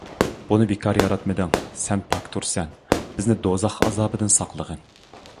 بۇنى بىكار ياراتمىدىڭ، سەن پاكتۇرسەن، بىزنى دوزاخ ئازابىدىن ساقلىغىن.